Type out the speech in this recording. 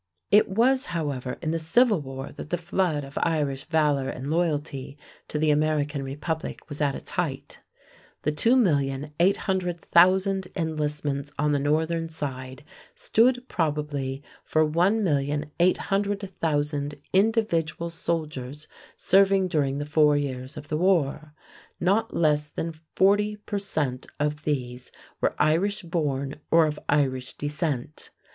It was, however, in the Civil War that the flood of Irish valor and loyalty to the American Republic was at its height. The 2,800,000 enlistments on the Northern side stood probably for 1,800,000 individual soldiers serving during the four years of the war. Not less than 40 per cent, of these were Irish born or of Irish descent.